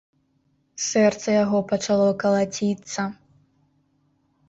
Сэрца яго пачало калаціцца.